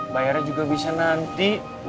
lagian kan kulit pisangnya gak langsung dibuah